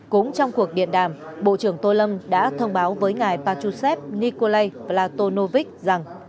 cũng trong cuộc điện đàm bộ trưởng tô lâm đã thông báo với ngài pachusev nikolai platonovic rằng